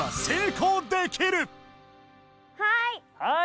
はい！